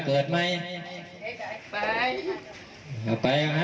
เขากันย้านไปกัน